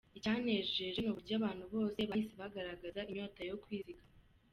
Icyanejeje ni uburyo abantu bose bahise bagaragaza inyota yo kwizigama.